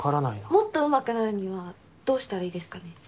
もっと上手くなるにはどうしたらいいですかね？